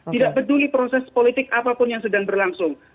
tidak peduli proses politik apapun yang sedang berlangsung